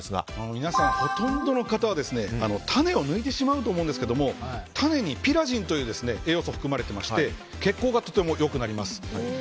皆さんほとんどの方は種を抜いてしまうと思うんですけども種にピラジンという栄養素が含まれていまして血行がとても良くなります。